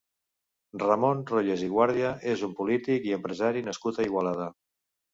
Ramon Royes i Guàrdia és un polític i empresari nascut a Igualada.